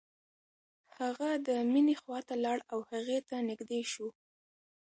هغه د مينې خواته لاړ او هغې ته نږدې شو.